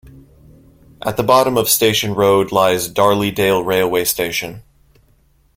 At the bottom of Station Road lies Darley Dale railway station.